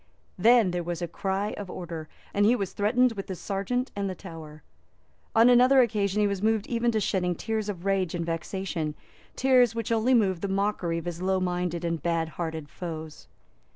Then there was a cry of Order; and he was threatened with the Serjeant and the Tower. On another occasion he was moved even to shedding tears of rage and vexation, tears which only moved the mockery of his low minded and bad hearted foes.